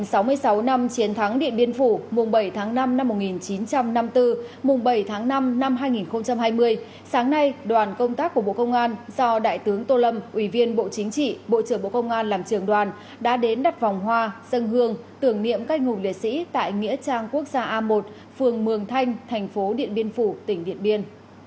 sau sáu năm chiến thắng điện biên phủ mùng bảy tháng năm năm một nghìn chín trăm năm mươi bốn mùng bảy tháng năm năm hai nghìn hai mươi sáng nay đoàn công tác của bộ công an do đại tướng tô lâm ủy viên bộ chính trị bộ trưởng bộ công an làm trường đoàn đã đến đặt vòng hoa sân hương tưởng niệm các ngục liệt sĩ tại nghĩa trang quốc gia a một phường mường thanh thành phố điện biên phủ tỉnh điện biên